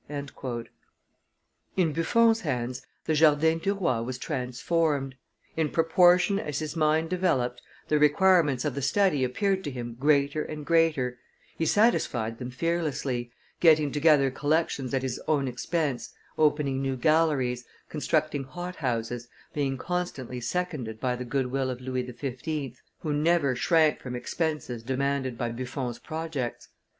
[Illustration: Buffon 323] In Buffon's hands the Jardin du Roi was transformed; in proportion as his mind developed, the requirements of the study appeared to him greater and greater; he satisfied them fearlessly, getting together collections at his own expense, opening new galleries, constructing hot houses, being constantly seconded by the good will of Louis XV., who never shrank from expenses demanded by Buffon's projects.